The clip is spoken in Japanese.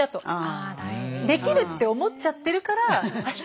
できるって思っちゃってるからあっ